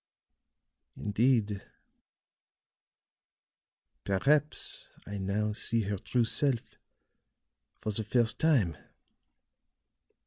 Indeed, perhaps I now see her true self for the first time."